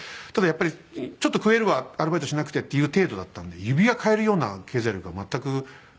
やっぱり「ちょっと食えるわアルバイトしなくて」っていう程度だったので指輪買えるような経済力は全くなかったんで。